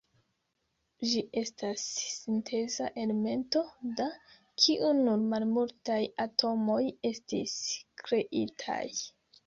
Ĝi estas sinteza elemento, da kiu nur malmultaj atomoj estis kreitaj.